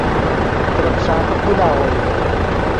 ترے پیݰانے خول آغوئے